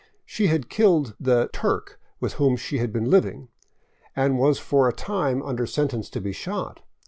She had killed the " Turk " with whom she had been liv ing, and was for a time under sentence to be shot.